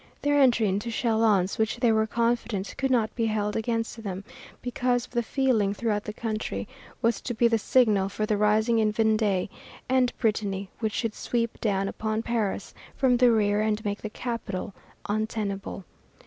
Their entry into Châlons, which they were confident could not be held against them, because of the feeling throughout the country, was to be the signal for the rising in Vendée and Brittany which should sweep down upon Paris from the rear and make the capital untenable.